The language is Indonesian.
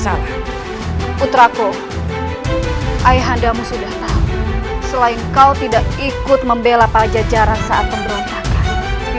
salah putraku ayah anda musuh selain kau tidak ikut membela pajajara saat pemberontakan di